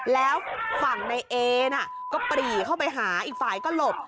แล้วฝั่งในเอน่ะก็ปรีเข้าไปหาอีกฝ่ายก็หลบ